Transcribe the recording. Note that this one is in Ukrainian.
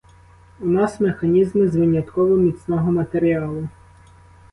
У нас механізми з винятково міцного матеріалу.